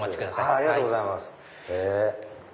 ありがとうございます。